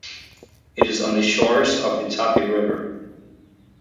It is on the shores of the Tapi River.